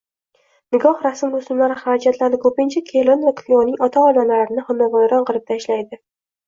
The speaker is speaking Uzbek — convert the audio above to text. Nikoh rasm-rusumlari xarajatlari koʻpincha kelin va kuyovning ota-onalarini xonavayron qilib tashlaydi